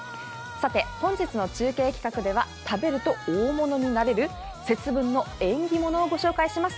本日の中継企画では食べると大物になれる節分の縁起モノをご紹介します。